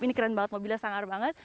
ini keren banget mobilnya sangar banget